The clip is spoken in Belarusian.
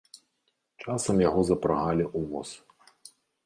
Часам яго запрагалі ў воз.